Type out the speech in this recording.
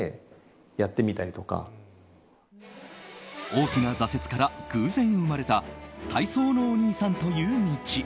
大きな挫折から偶然生まれた体操のお兄さんという道。